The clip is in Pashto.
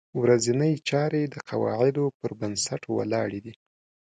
ورځنۍ چارې د قواعدو په بنسټ ولاړې دي.